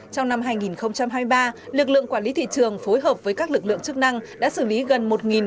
trong năm hai nghìn hai mươi ba lực lượng quản lý thị trường phối hợp với các lực lượng chức năng đã xử lý gần